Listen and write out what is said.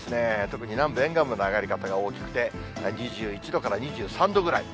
特に南部、沿岸部の上がり方が大きくて、２１度から２３度ぐらい。